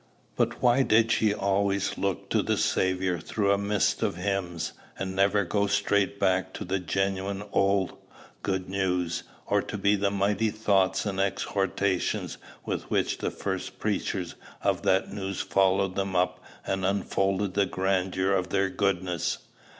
But why did she always look to the Saviour through a mist of hymns, and never go straight back to the genuine old good news, or to the mighty thoughts and exhortations with which the first preachers of that news followed them up and unfolded the grandeur of their goodness?